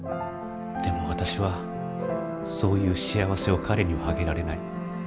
でも私はそういう幸せを彼にはあげられない。